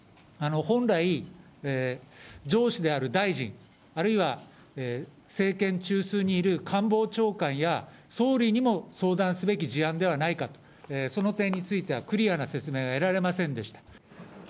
本来、上司である大臣、あるいは政権中枢にいる官房長官や総理にも相談すべき事案ではないかと、その点についてはクリアな説明が得られませんでした。